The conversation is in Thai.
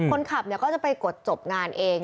คนขับก็จะไปกดจบงานเอง